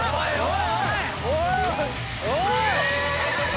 おい！